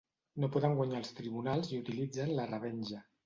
No poden guanyar als tribunals i utilitzen la revenja.